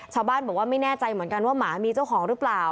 ชาวบ้านบอกว่าไม่แน่ใจเหมือนกันว่าหมามีเจ้าของหรือเปล่า